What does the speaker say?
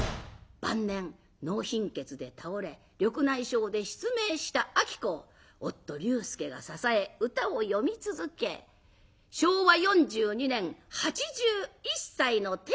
晩年脳貧血で倒れ緑内障で失明した子を夫龍介が支え歌を詠み続け昭和４２年８１歳の天寿を全ういたします。